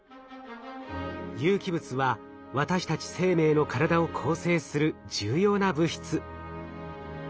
有機物は私たち生命の体を構成する重要な物質。